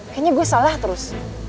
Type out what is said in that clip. kayaknya gue salah terus